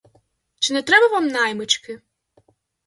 Чи не треба вам наймички?